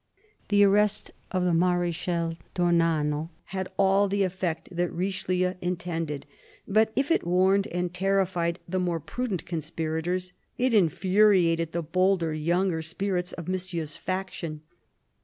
The arrest of the Marechal d'Ornano had all the effect that Richelieu intended ; but if it warned and terrified the more prudent conspirators, it infuriated the bolder, younger spirits of Monsieur's faction.